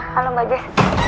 halo mbak jess